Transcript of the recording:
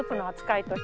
はい。